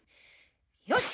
よし！